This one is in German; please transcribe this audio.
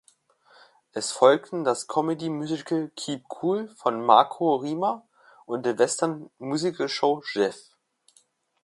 Es folgten das Comedy-Musical "Keep Cool" von Marco Rima und die Western-Musical-Show "Jeff".